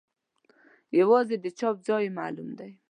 یوازې د چاپ ځای یې معلوم دی.